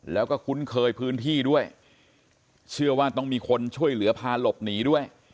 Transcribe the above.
แล้วก็คุ้นเคยพื้นที่ด้วยเชื่อว่าต้องมีคนช่วยเหลือพาหลบหนีด้วย